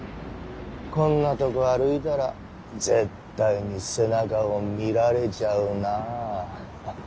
こんなとこ歩いたら絶対に背中を見られちゃうなあッ！